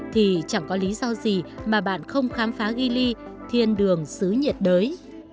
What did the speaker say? thì chẳng có lý do gì mà bạn không khám phá gily thiên đường xứ nhiệt đới